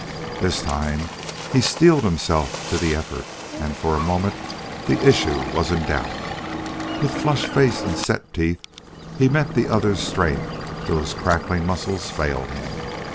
This time he steeled himself to the effort, and for a moment the issue was in doubt. With flushed face and set teeth he met the other's strength till his crackling muscles failed him.